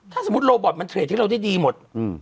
ถ้าสมมุติโรบอตมันเทรดให้เราได้ดีหมด